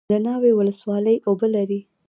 د ناوې ولسوالۍ اوبه لري